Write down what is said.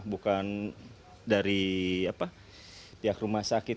bukan dari pihak rumah sakit